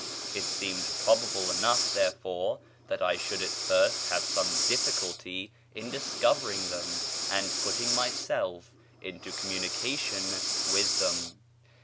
It seemed probable enough, therefore, that I should at first have some difficulty in discovering them and putting myself into communication with them.